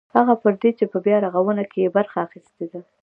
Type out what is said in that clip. هغه پردي چې په بیارغاونه کې یې برخه اخیستې ده.